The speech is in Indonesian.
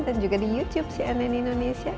dan juga di youtube cnn indonesia